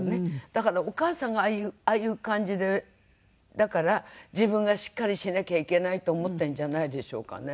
だからお母さんがああいう感じだから自分がしっかりしなきゃいけないって思ってんじゃないでしょうかね？